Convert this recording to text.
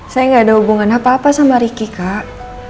saya gak ada hubungan apa apa sama ricky kak